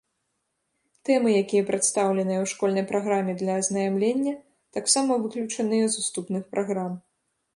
Тэмы, якія прадстаўленыя ў школьнай праграме для азнаямлення, таксама выключаныя з уступных праграм.